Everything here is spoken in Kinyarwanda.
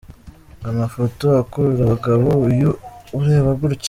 Ngo amafoto akurura abagabo ?? Uyu ureba gutya !!??.